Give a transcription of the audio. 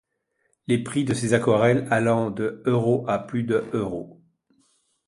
Les prix de ses aquarelles allant de € à plus de €.